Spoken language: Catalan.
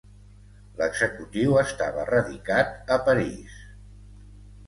L'executiu estava radicat a París.